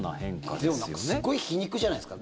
でも、なんかすごい皮肉じゃないですか？